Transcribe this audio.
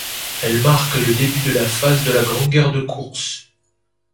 Elle marque le début de la phase de la grande guerre de course.